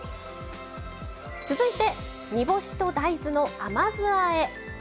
続いて煮干しと大豆の甘酢あえ。